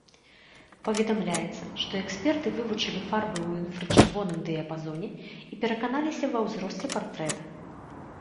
Паведамляецца, што эксперты вывучылі фарбы ў інфрачырвоным дыяпазоне і пераканаліся ва ўзросце партрэта.